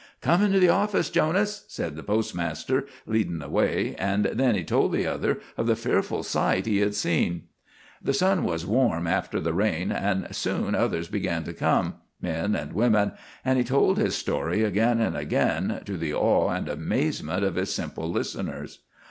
"Come into the office, Jonas," said the postmaster, leading the way; and then he told the other of the fearful sight he had seen. The sun was warm after the rain, and soon others began to come, men and women, and he told his story again and again, to the awe and amazement of his simple listeners.